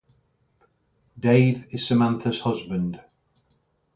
Dave is Samantha's husband.